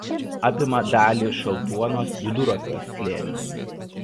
Apima dalį Šaltuonos vidurupio slėnio.